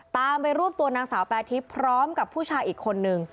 ตามไปรวบตัวนางสาวแปรทิพย์พร้อมกับผู้ชายอีกคนนึง